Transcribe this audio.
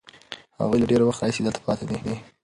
هغوی له ډېر وخت راهیسې دلته پاتې دي.